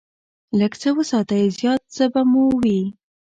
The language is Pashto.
لږ څه وساتئ، زیات څه به مو وي.